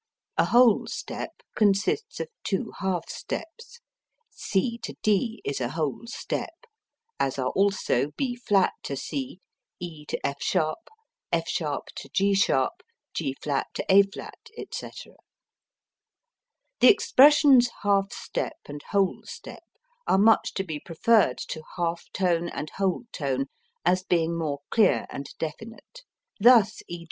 A whole step consists of two half steps. C D is a whole step, as are also B[flat] C, E F[sharp], F[sharp] G[sharp], G[flat] A[flat], etc. The expressions half step and whole step are much to be preferred to half tone and whole tone, as being more clear and definite. Thus _e.